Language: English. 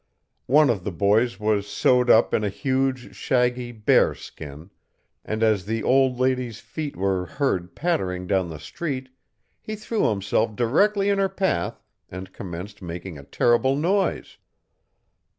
One of the boys was sewed up in a huge shaggy bear skin, and as the old lady's feet were heard pattering down the street, he threw himself directly in her path and commenced making a terrible noise.